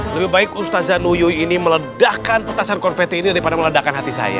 lebih baik ustazah nuyuyuhi ini meledakan petasan konfetin ini daripada meledakan hati saya